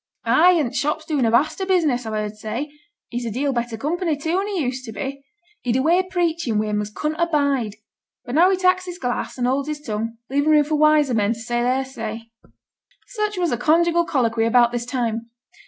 'Ay! and t' shop's doin' a vast o' business, I've heard say. He's a deal better company, too, 'n or he used to be. He'd a way o' preaching wi' him as a couldn't abide; but now he tak's his glass, an' holds his tongue, leavin' room for wiser men to say their say.' Such was a conjugal colloquy about this time.